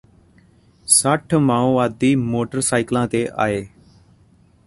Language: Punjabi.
ਸੱਠ ਮਾਓਵਾਦੀ ਮੋਟਰ ਸਾਈਕਲਾਂ ਤੇ ਆਏ